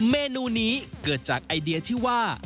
เมนูนี้เกิดจากไอเดียที่ว่า